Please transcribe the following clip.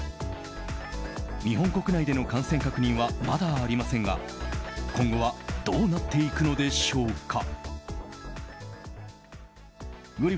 日本国内での感染確認はまだありませんが今後はどうなっていくのでしょうか。